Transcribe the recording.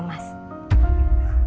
itu seusianya reina mas